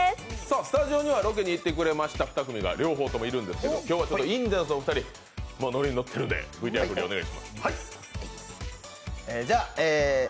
スタジオにはロケに行ってくれました２組が両方ともいるんですけど今日はインディアンスのお二人、ノリにノッているので振りをお願いします。